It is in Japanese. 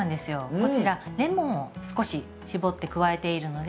こちらレモンを少し搾って加えているので。